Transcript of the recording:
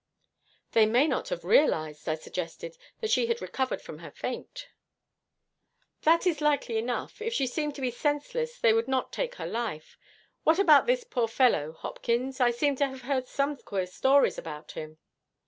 'They may not have realized,' I suggested, 'that she had recovered from her faint.' 'That is likely enough. If she seemed to be senseless, they would not take her life. What about this poor fellow, Hopkins? I seem to have heard some queer stories about him.'